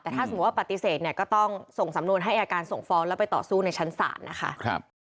แต่ถ้าสมมุติว่าปฏิเสธเนี่ยก็ต้องส่งสำนวนให้อายการส่งฟ้องแล้วไปต่อสู้ในชั้นศาลนะคะ